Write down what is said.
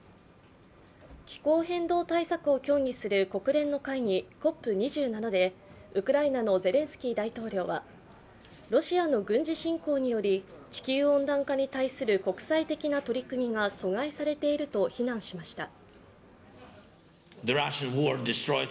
気候変動対策を協議する国連の会議、ＣＯＰ２７でウクライナのゼレンスキー大統領はロシアの軍事侵攻により地球温暖化に対する国際的な取り組みが阻害されていると非難しました。